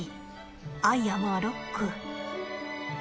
アイアムアロック。